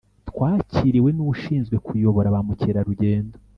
twakiriwe n’ushinzwe kuyobora ba mukerarugendo